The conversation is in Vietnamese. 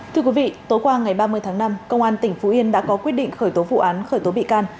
thưa quý vị tối qua ngày ba mươi tháng năm công an tỉnh phú yên đã có quyết định khởi tố vụ án khởi tố bị can